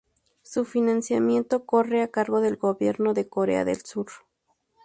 Su financiamiento corre a cargo del Gobierno de Corea del Sur.